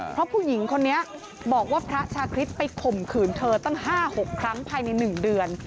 เพราะผู้หญิงคนนี้บอกว่าพระชาคริสต์ไปข่มขืนเธอตั้ง๕๖ครั้งภายใน๑เดือน